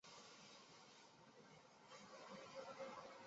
这使它们更适合于电池供电设备。